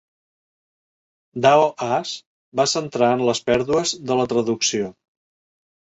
Dao As va centrar en les pèrdues de la traducció.